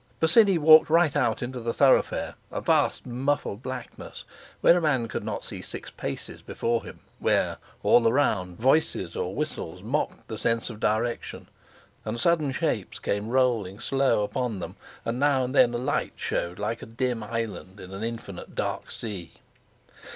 Bosinney walked right out into the thoroughfare—a vast muffled blackness, where a man could not see six paces before him; where, all around, voices or whistles mocked the sense of direction; and sudden shapes came rolling slow upon them; and now and then a light showed like a dim island in an infinite dark sea.